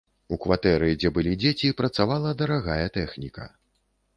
У кватэры, дзе былі дзеці, працавала дарагая тэхніка.